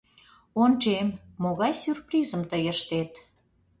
— Ончем, могай сюрпризым тый ыштет...